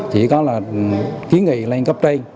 chỉ có là kiến nghị lên cấp trên